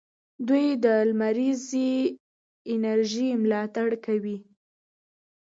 دوی د لمریزې انرژۍ ملاتړ کوي.